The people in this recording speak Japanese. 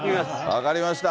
分かりました。